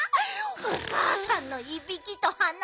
おかあさんのいびきとはないき